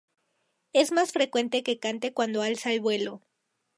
Es más frecuente que cante cuando alza vuelo.